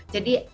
jadi apapun itu